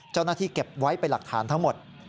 เจ้าหน้าที่เก็บไว้เป็นหลักฐานทั้งหมด